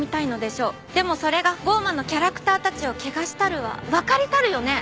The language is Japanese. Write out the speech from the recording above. でもそれが『降魔』のキャラクターたちを汚したるはわかりたるよね？